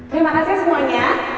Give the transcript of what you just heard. terima kasih semuanya